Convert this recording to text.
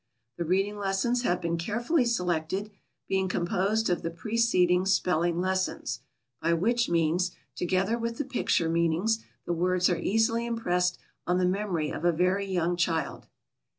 The reading lessons have been carefully selected, being composed of the preceding spelling lessons, by which means, together with the picture meanings, the words are easily impressed on the memory of a very young child.